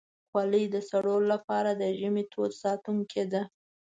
خولۍ د سړو لپاره د ژمي تود ساتونکی ده.